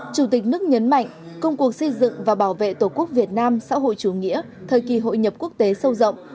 chủ tịch nước nhấn mạnh công cuộc xây dựng và bảo vệ tổ quốc việt nam xã hội chủ nghĩa thời kỳ hội nhập quốc tế sâu rộng